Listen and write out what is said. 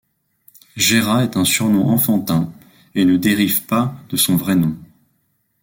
Gera est un surnom enfantin, et ne dérive pas de son vrai nom.